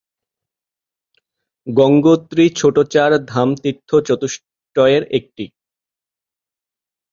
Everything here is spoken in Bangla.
গঙ্গোত্রী ছোট চার ধাম তীর্থ-চতুষ্টয়ের একটি।